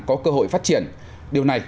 có cơ hội phát triển điều này